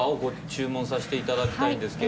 注文さしていただきたいんですけど。